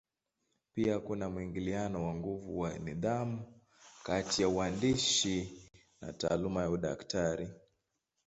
Pia kuna mwingiliano wa nguvu wa nidhamu kati ya uhandisi na taaluma ya udaktari.